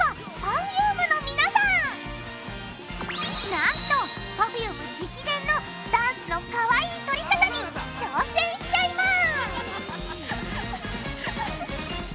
なんとＰｅｒｆｕｍｅ直伝のダンスのかわいい撮りかたに挑戦しちゃいます！